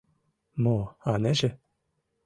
— Мо, анеже?